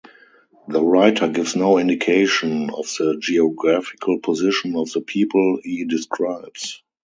The writer gives no indication of the geographical position of the people he describes.